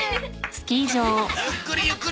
ゆっくりゆっくり。